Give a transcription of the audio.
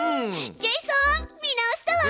ジェイソン見直したわ！